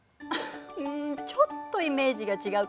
うんちょっとイメージが違うかも。